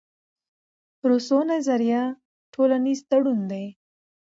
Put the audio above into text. روسو نظریه ټولنیز تړون دئ.